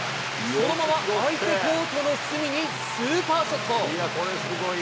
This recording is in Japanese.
そのまま相手コートの隅に、スーパーショット。